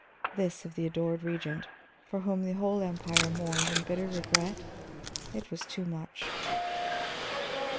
This of the adored Regent, for whom the whole Empire mourned in bitter regret! It was too much.